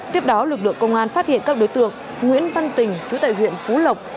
tiếp đó lực lượng công an phát hiện các đối tượng nguyễn văn tình chú tại huyện phú lộc